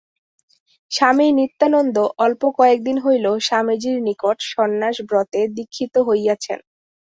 স্বামী নিত্যানন্দ অল্প কয়েকদিন হইল স্বামীজীর নিকট সন্ন্যাসব্রতে দীক্ষিত হইয়াছেন।